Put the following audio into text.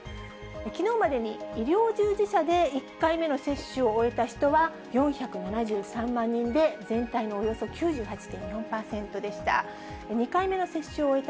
きのうまでに医療従事者で１回目の接種を終えた人は４７３万人で、全体のおよそ９８．４％でした。